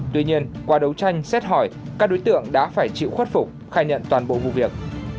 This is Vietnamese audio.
tuy nhiên qua đấu tranh xét hỏi các đối tượng đã phải chịu khuất phục khai nhận toàn bộ vụ việc